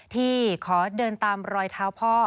ที่ขอเดินตามรอยเท้าพ่อ